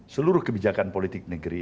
seluruh kebijakan politik negeri